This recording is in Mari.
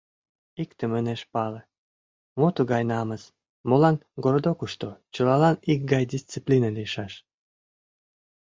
Иктым ынеж пале: мо тугай намыс, молан городокышто чылалан икгай дисциплина лийшаш?